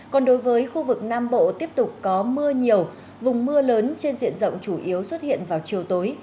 còn đối với khu vực nam bộ tiếp tục có mưa nhiều vùng mưa lớn trên diện rộng chủ yếu xuất hiện vào chiều tối